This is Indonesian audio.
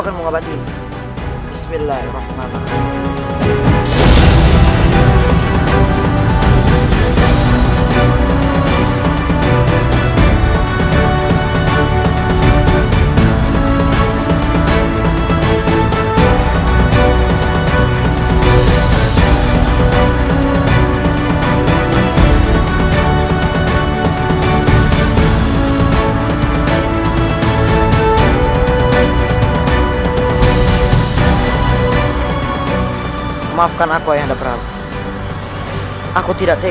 sampai jumpa di video selanjutnya